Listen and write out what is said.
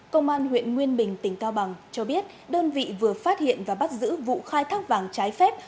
công an huyện nguyên bình tỉnh cao bằng cho biết đơn vị vừa phát hiện và bắt giữ vụ khai thác vàng trái phép